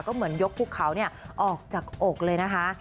ก็เหมือนยกภูเขาออกจากอกเลยนะคะ